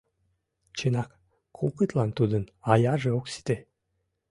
— Чынак, кокытлан тудын аярже ок сите…